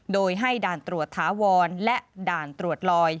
โดยให้ด่านตรวจถาวรและด่านตรวจลอย